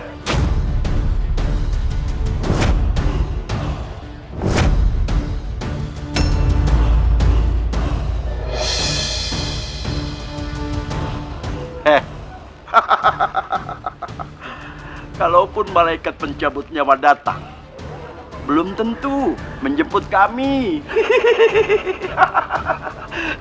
hehehe hehehe hehehe kalaupun malaikat pencabut nyawa datang belum tentu menjemput kami hehehe